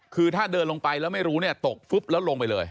คือถ้าเดินลงไปแล้วไม่รู้เนี่ยตกฟึ๊บแล้วลงไปเลย